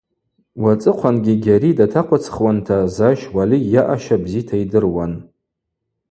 Уацӏыхъвангьи Гьари датахъвыцхуанта Защ Уали йаъаща бзита йдыруан.